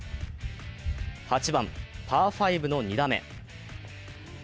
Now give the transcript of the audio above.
８番パー５の２打目。